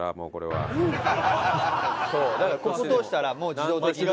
だからここ通したらもう自動的にね。